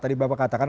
tadi bapak katakan